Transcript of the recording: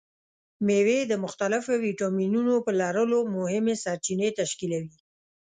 مېوې د مختلفو ویټامینونو په لرلو مهمې سرچینې تشکیلوي.